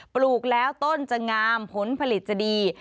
ปลูกแล้วต้นจะงามผลผลิตจะดี